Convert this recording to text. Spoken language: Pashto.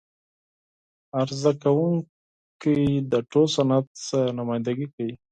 عرضه کوونکی د ټول صنعت څخه نمایندګي کوي.